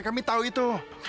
kami tahu itu